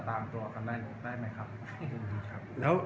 แต่ว่าเมืองนี้ก็ไม่เหมือนกับเมืองอื่น